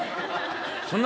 そんな